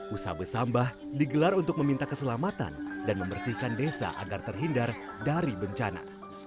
usaha besambah digelar untuk meminta keselamatan dan membersihkan desa agar terhindar dari bencana